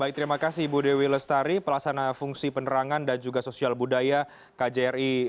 baik terima kasih ibu dewi lestari pelasana fungsi penerangan dan juga sosial budaya kjri